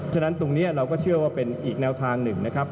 ฉะนั้นตรงนี้เราก็เชื่อว่าเป็นอีกแนวทางหนึ่งนะครับ